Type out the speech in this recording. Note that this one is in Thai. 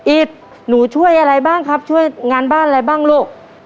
หนูช่วยอะไรบ้างครับช่วยงานบ้านอะไรบ้างลูก